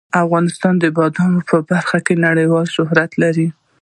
افغانستان د بادام په برخه کې نړیوال شهرت لري.